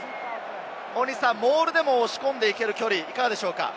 モールでも押し込んで行ける距離、いかがでしょうか？